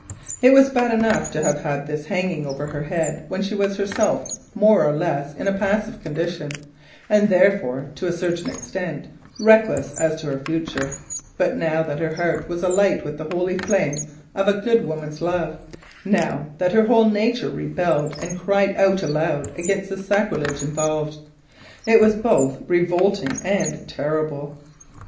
It was bad enough to have had this hanging over her head when she was herself more or less in a passive condition, and therefore to a certain extent reckless as to her future; but now that her heart was alight with the holy flame of a good woman's love, now that her whole nature rebelled and cried out aloud against the sacrilege involved, it was both revolting and terrible.